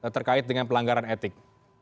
terkait dengan pelanggaran etik